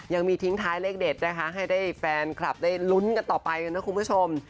ยังมีทิ้งท้ายเลขเด็ดนะคะให้ได้แฟนคลับได้ลุ้นกันต่อไปกันนะคุณผู้ชม